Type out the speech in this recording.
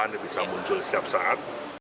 ini bisa muncul setiap saat